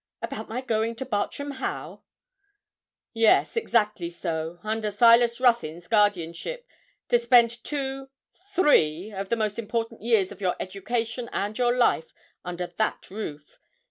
'About my going to Bartram Haugh?' 'Yes, exactly so, under Silas Ruthyn's guardianship, to spend two three of the most important years of your education and your life under that roof.